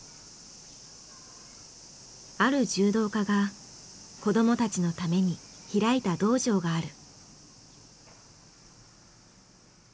ある柔道家が子どもたちのために開いた道場がある。